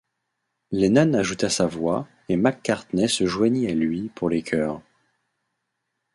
Lennon ajouta sa voix, et McCartney se joignit à lui pour les chœurs.